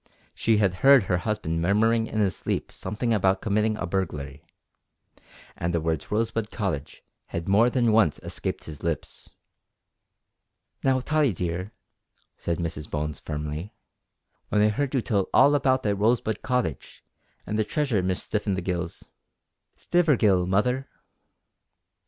She had heard her husband murmuring in his sleep something about committing a burglary, and the words Rosebud Cottage had more than once escaped his lips. "Now, Tottie dear," said Mrs Bones firmly, "when I heard you tell all about that Rosebud Cottage, an' the treasure Miss Stiffinthegills " "Stivergill, mother."